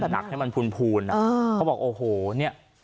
ให้มันหนักให้มันพูนอะเขาบอกโอ้โหเนี่ย